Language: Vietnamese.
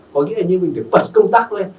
có nghĩa là như mình phải bật công tác lên